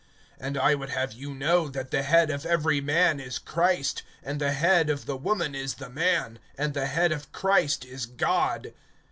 (3)And I would have you know, that the head of every man is Christ; and the head of the woman is the man; and the head of Christ is God.